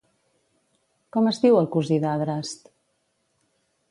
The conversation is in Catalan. Com es diu el cosí d'Adrast?